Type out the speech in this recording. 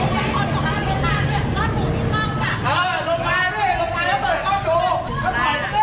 พี่จ้อยลงมาเรามาคุยดีกว่าเลื่อนเหมือนเว้ายาเปิด